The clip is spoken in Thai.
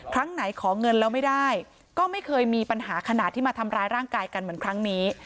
ครั้งไหนขอเงินแล้วไม่ได้ก็ไม่เคยมีปัญหาขนาดที่มาทำร้ายร่างกายกันเหมือนครั้งนี้